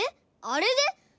あれで？